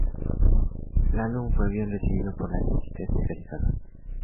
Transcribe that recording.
El álbum fue bien recibido por la crítica especializada.